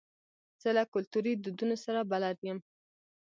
زه له کلتوري دودونو سره بلد یم.